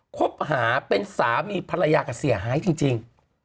คบหาเป็นสามีภรรยากับเสียหายจริง